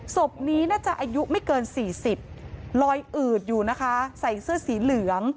ศพนี้น่าจะอายุไม่เกิน๔๐ลอยอืดอยู่นะคะใส่เสื้อสีเหลือง